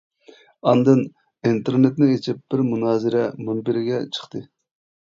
ئاندىن ئىنتېرنېتنى ئېچىپ بىر مۇنازىرە مۇنبىرىگە چىقتى.